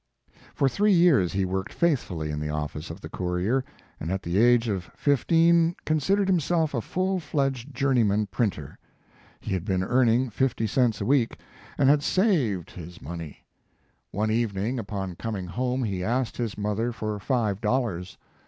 For three years he worked faithfully in the office of the Courier , and at the age of fifteen considered himself a full fledged journeyman printer. He had been earn ing fifty cents a week, and had saved his 28 Mark Twain money. One evening upon coming home he asked his mother for five dollars.